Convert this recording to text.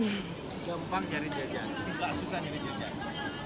gampang nyari jajan tapi gak susah nyari jajan